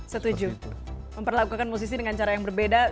setuju memperlakukan musisi dengan cara yang berbeda